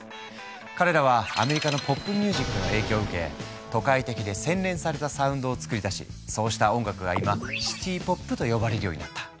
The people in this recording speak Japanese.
彼らはアメリカのポップミュージックの影響を受け都会的で洗練されたサウンドを作り出しそうした音楽が今シティ・ポップと呼ばれるようになった。